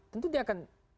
tentu dia akan